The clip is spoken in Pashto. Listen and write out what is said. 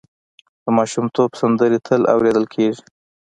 د ماشومتوب سندرې تل اورېدل کېږي.